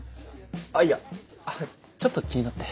あいやちょっと気になって。